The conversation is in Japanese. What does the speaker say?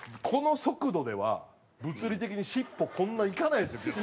この速度では物理的にしっぽこんないかないですよ。